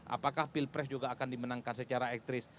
apakah pilpres juga akan dimenangkan secara ekstris